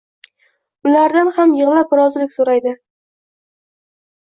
Ulardan ham yig`lab rozilik so`raydi